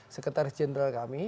sekretaris jenderal kami